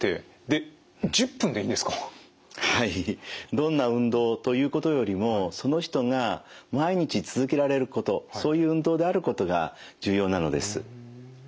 どんな運動ということよりもその人が毎日続けられることそういう運動であることが重要なのです。